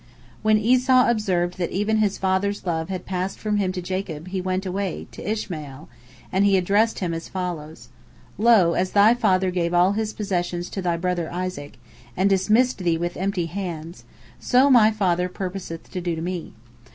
" When Esau observed that even his father's love had passed from him to Jacob, he went away, to Ishmael, and he addressed him as follows: "Lo, as thy father gave all his possessions to thy brother Isaac, and dismissed thee with empty hands, so my father purposeth to do to me.